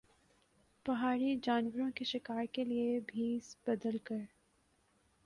پہاڑی جانوروں کے شکار کے لئے بھیس بدل کر